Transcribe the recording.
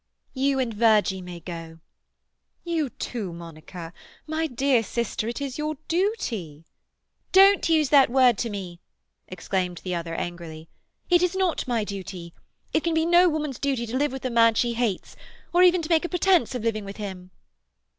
"You and Virgie may go." "You too, Monica. My dear sister, it is your duty." "Don't use that word to me!" exclaimed the other angrily. "It is not my duty. It can be no woman's duty to live with a man she hates—or even to make a pretence of living with him."